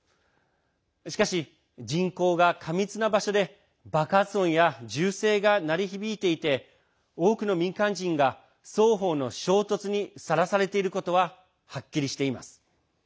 しかし、人口が過密な場所で爆発音や銃声が鳴り響いていて多くの民間人が双方の衝突にさらされていることははっきりしています。